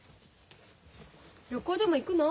旅行でも行くの？